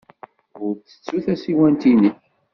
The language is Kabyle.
Ur ttettu tasiwant-nnek.